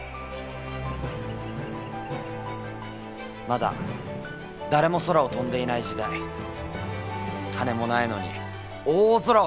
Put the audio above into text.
まだ誰も空を飛んでいない時代羽もないのに大空を目指した。